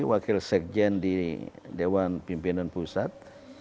wakil sekjen di dewan pimpinan pusat